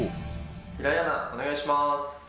平井アナ、お願いします。